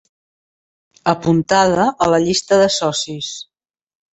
Apuntada a la llista de socis.